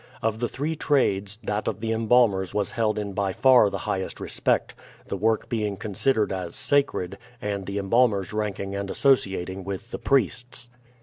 Of the three trades, that of the embalmers was held in by far the highest respect, the work being considered as sacred and the embalmers ranking and associating with the priests.